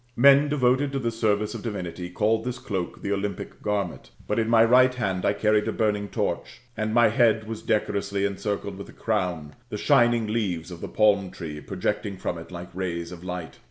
Men devoted to the service of divinity call this cloak the Olympic garment But in my right hand I carried a burning torch; and my head was decorously encircled with a crown, the shining leaves of the palm tree projecting from it like rays of light.